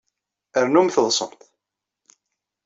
Rnumt ḍṣemt.